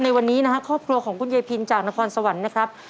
ในวันนี้นะครับครอบครัวของคุณยายพินจากนครสวรรค์นะครับ